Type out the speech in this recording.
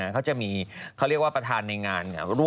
เขาจะมีเขาเรียกว่าประธานในงาน